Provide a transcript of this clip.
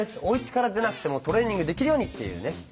おうちから出なくてもトレーニングできるようにっていうね